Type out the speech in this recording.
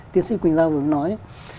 tiến sĩ quỳnh giao vừa nói